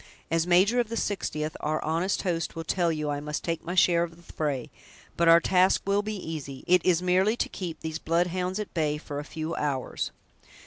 As major of the Sixtieth, our honest host will tell you I must take my share of the fray; but our task will be easy; it is merely to keep these blood hounds at bay for a few hours."